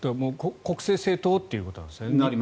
国政政党ということなんですよね。